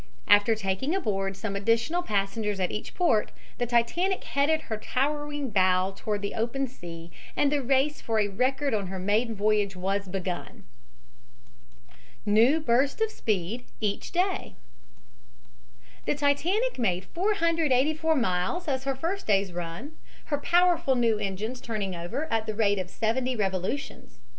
After taking aboard some additional passengers at each port, the Titanic headed her towering bow toward the open sea and the race for a record on her maiden voyage was begun. NEW BURST OF SPEED EACH DAY The Titanic made 484 miles as her first day's run, her powerful new engines turning over at the rate of seventy revolutions.